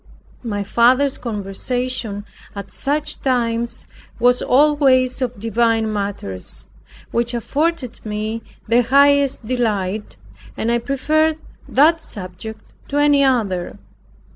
My father's conversation at such times was always of divine matters, which afforded me the highest delight, and I preferred that subject to any other.